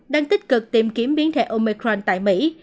đang tích cực tìm kiếm biến thể omecron tại mỹ